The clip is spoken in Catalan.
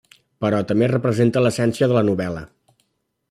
Però també representa l'essència de la novel·la.